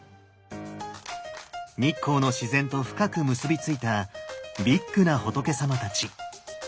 日光の自然と深く結び付いたビッグな仏さまたち。